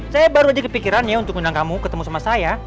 saya baru aja kepikiran ya untuk undang kamu ketemu sama saya